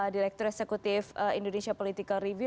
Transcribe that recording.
direktur eksekutif indonesia political review